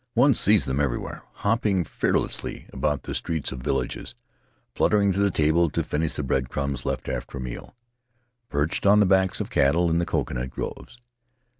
One sees them everywhere, hopping fearlessly about the streets of villages, fluttering to the table to finish the bread crumbs left after a meal, perched on the backs of cattle in the coconut groves.